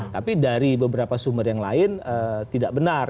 tapi dari beberapa sumber yang lain tidak benar